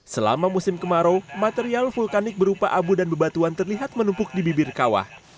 selama musim kemarau material vulkanik berupa abu dan bebatuan terlihat menumpuk di bibir kawah